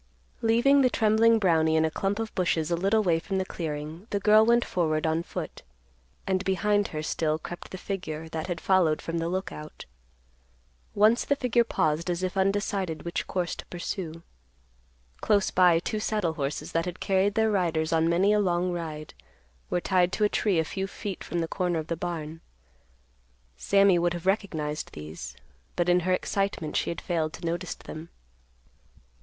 Leaving the trembling Brownie in a clump of bushes a little way from the clearing, the girl went forward on foot, and behind her still crept the figure that had followed from the Lookout. Once the figure paused as if undecided which course to pursue. Close by, two saddle horses that had carried their riders on many a long ride were tied to a tree a few feet from the corner of the barn. Sammy would have recognized these, but in her excitement she had failed to notice them.